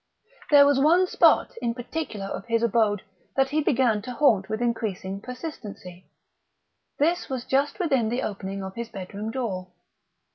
There was one spot in particular of his abode that he began to haunt with increasing persistency. This was just within the opening of his bedroom door.